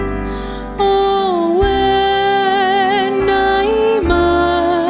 โอ้โหแวนไหนมา